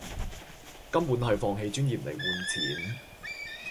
根本係放棄尊嚴嚟換錢